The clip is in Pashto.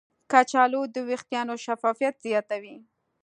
کچالو د ویښتانو شفافیت زیاتوي.